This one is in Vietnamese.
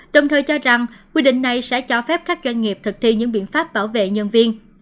đồng thời cho rằng quy định này sẽ cho phép các doanh nghiệp thực thi những biện pháp bảo vệ nhân viên